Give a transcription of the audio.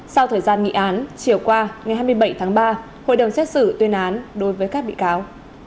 sau thời gian nghị án chiều qua ngày hai mươi bảy tháng ba hội đồng xét xử tuyên án đối với các bị cáo